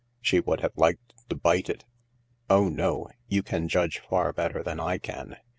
She would have liked to bite it. " Oh no — you can judge far better than I can.